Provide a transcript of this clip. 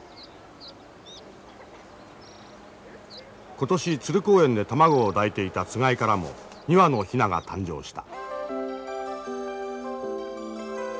今年鶴公園で卵を抱いていたつがいからも２羽のヒナが誕生した。